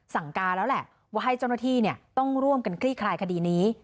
สั่งการแล้วแหละว่าให้จ้อนุที่เนี่ยต้องร่วมกันกรี่คลายคดีนี้